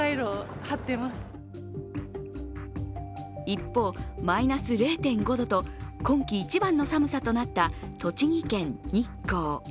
一方、マイナス０．５度と今季一番の寒さとなった栃木県日光。